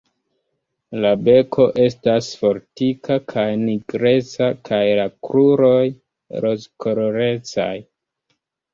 La beko estas fortika kaj nigreca kaj la kruroj rozkolorecaj.